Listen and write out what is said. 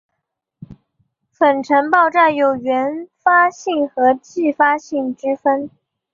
粉尘爆炸有原发性和继发性之分。